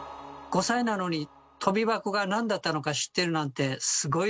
５歳なのにとび箱がなんだったのか知ってるなんてすごいね！